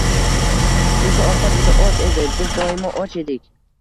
Bizda ovqat juda oz edi, biz doimo och edik.